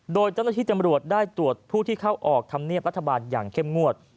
โดยเจ้าหน้าที่จำรวจได้ตรวจผู้ที่เข้าออกธรรมเนียบรัฐบาลอย่างเข้มงวด